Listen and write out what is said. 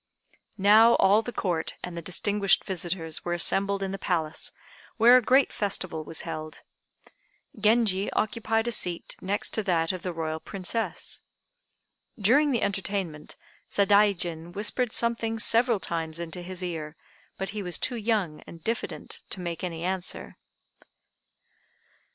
Now all the Court and the distinguished visitors were assembled in the palace, where a great festival was held; Genji occupied a seat next to that of the Royal Princess. During the entertainment Sadaijin whispered something several times into his ear, but he was too young and diffident to make any answer.